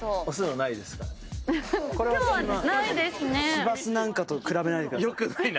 市バスなんかと比べないでください。